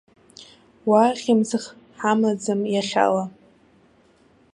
Уа, хьымӡӷ ҳамаӡам иахьала.